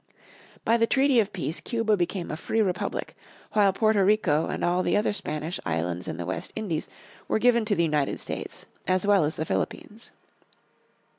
By the treaty of peace Cuba became a free republic, while Porto Rico and all the other Spanish islands in the West Indies were given to the United States, as well as the Philippines.